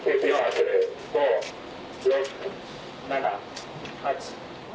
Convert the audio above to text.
５・６・７・８。